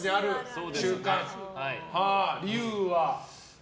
理由は？